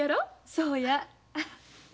そうや。